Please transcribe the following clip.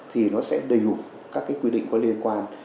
thì nó sẽ đầy đủ các quy định có liên quan